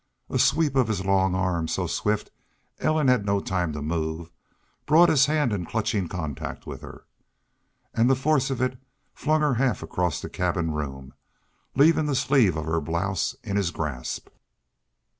A sweep of his long arm, so swift Ellen had no time to move, brought his hand in clutching contact with her. And the force of it flung her half across the cabin room, leaving the sleeve of her blouse in his grasp.